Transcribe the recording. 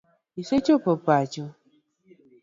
Isechopo pacho ?